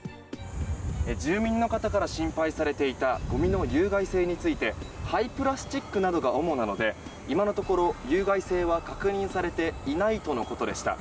住民の方から心配されていたごみの有害性について廃プラスチックなどが主なので今のところ有害性は確認されていないとのことでした。